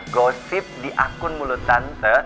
gosip di akun mulut tante